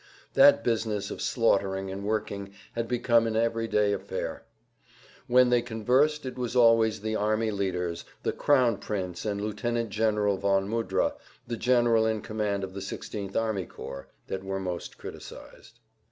That business of slaughtering and working had become an every day affair. When they conversed it was always the army leaders, the Crown Prince and Lieutenant General von Mudra, the general in command of the 16th Army Corps, that were most criticized.